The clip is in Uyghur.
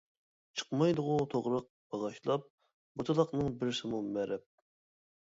چىقمايدىغۇ توغراق باغاشلاپ، بوتىلاقنىڭ بىرسىمۇ مەرەپ.